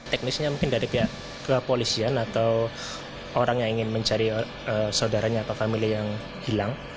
teknisnya mungkin dari pihak kepolisian atau orang yang ingin mencari saudaranya atau family yang hilang